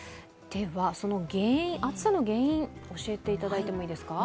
その暑さの原因を教えていただいてもいいですか。